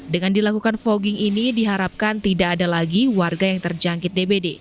dengan dilakukan fogging ini diharapkan tidak ada lagi warga yang terjangkit dbd